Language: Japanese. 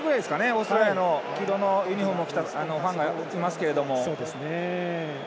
オーストラリアの色のユニフォームを着たファンがいます。